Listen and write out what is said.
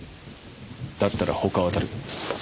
だったら他を当たる。